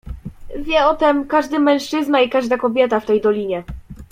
"Wie o tem każdy mężczyzna i każda kobieta w tej dolinie."